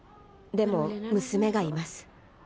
でも娘がいます。